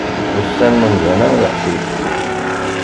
Ussan n umdan am leḥcic.